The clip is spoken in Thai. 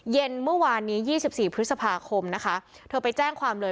เย็นเมื่อวานนี้๒๔พฤษภาคมนะคะเธอไปแจ้งความเลย